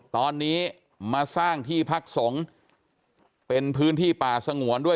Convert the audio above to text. ตอนนี้มาสร้างที่พักสงฆ์เป็นพื้นที่ป่าสงวนด้วย